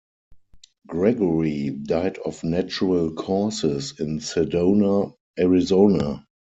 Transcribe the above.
Gregory died of natural causes in Sedona, Arizona.